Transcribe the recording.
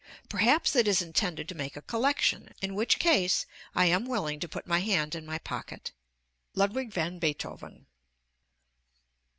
Perhaps it is intended to make a collection, in which case I am willing to put my hand in my pocket. LUDWIG VAN BEETHOVEN.